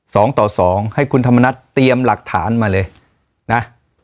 สองต่อสองให้คุณธรรมนัฐเตรียมหลักฐานมาเลยนะ